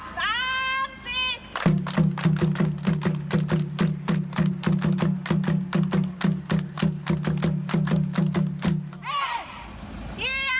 พร้อมพร้อมสามสี่